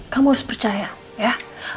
kamu harus percaya ya